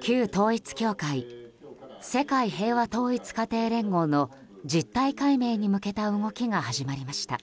旧統一教会世界平和統一家庭連合の実態解明に向けた動きが始まりました。